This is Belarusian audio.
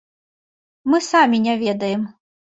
Мы самі не ведаем.